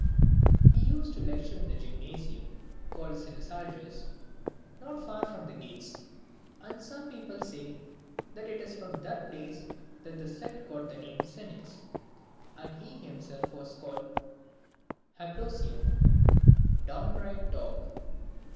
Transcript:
VI. He used to lecture in the Gymnasium, called Cyno sarges, not far from the gates ; and some people say that it is from that place that the sect got the name of Cynics. And he himself was called Haplocyon (downright dog).